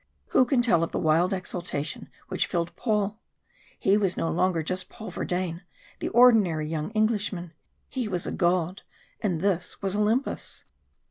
Who can tell of the wild exaltation which filled Paul? He was no longer just Paul Verdayne, the ordinary young Englishman; he was a god and this was Olympus.